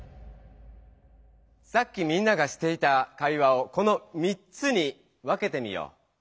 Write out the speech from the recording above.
さっきみんながしていた会話をこの３つに分けてみよう。